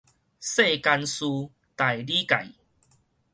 世間事，大理概